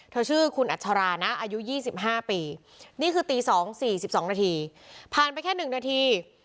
ชื่อคุณอัชรานะอายุ๒๕ปีนี่คือตี๒๔๒นาทีผ่านไปแค่๑นาที